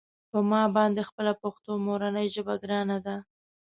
په ما باندې خپله پښتو مورنۍ ژبه ګرانه ده.